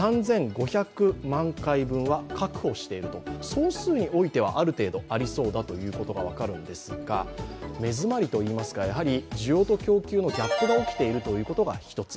総数においてはある程度ありそうだということが分かるんですが目詰まりといいますか、需要と供給のギャップが起きているのが一つ。